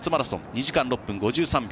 ２時間６分５３秒。